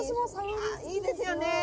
いいですよね